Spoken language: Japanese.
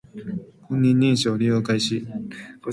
本人認証をして利用開始